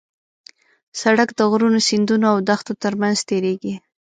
سړک د غرونو، سیندونو او دښتو ترمنځ تېرېږي.